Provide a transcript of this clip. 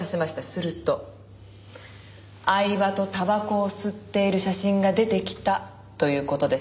すると饗庭とタバコを吸っている写真が出てきたという事です。